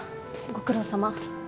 ご苦労さま。